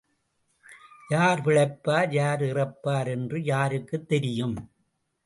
யார் பிழைப்பார் யார் இறப்பார் என்று யாருக்குத் தெரியும்?